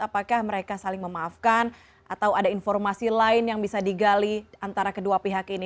apakah mereka saling memaafkan atau ada informasi lain yang bisa digali antara kedua pihak ini